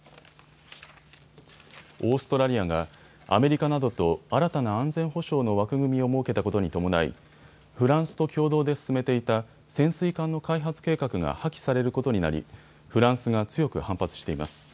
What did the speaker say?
オーストラリアがアメリカなどと新たな安全保障の枠組みを設けたことに伴いフランスと共同で進めていた潜水艦の開発計画が破棄されることになりフランスが強く反発しています。